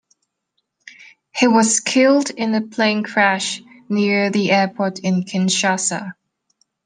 He was killed in a plane crash near the airport in Kinshasa.